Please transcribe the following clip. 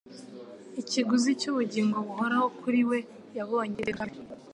Ikiguzi cy'ubugingo buhoraho kuri we yabonye ari indengakamere,